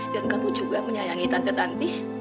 dan kamu juga menyayangi tante tanti